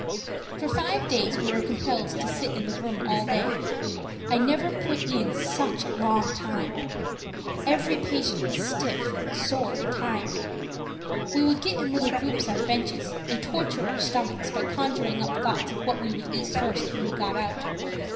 For five days we were compelled to sit in the room all day. I never put in such a long time. Every patient was stiff and sore and tired. We would get in little groups on benches and torture our stomachs by conjuring up thoughts of what we would eat first when we got out.